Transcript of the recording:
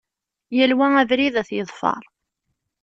Yal wa abrid ad t-yeḍfer.